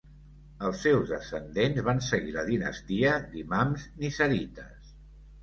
Els seus descendents van seguir la dinastia d'imams nizarites.